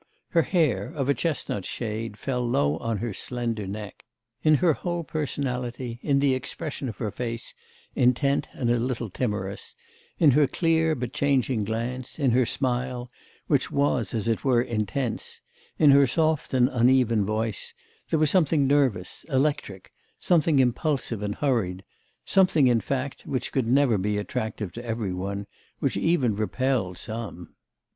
Her hair, of a chestnut shade, fell low on her slender neck. In her whole personality, in the expression of her face, intent and a little timorous, in her clear but changing glance, in her smile, which was, as it were, intense, in her soft and uneven voice, there was something nervous, electric, something impulsive and hurried, something, in fact, which could never be attractive to every one, which even repelled some.